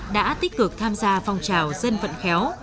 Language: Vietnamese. đã tích cực tham gia phong trào dân vận khéo